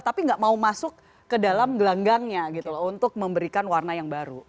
tapi nggak mau masuk ke dalam gelanggangnya gitu loh untuk memberikan warna yang baru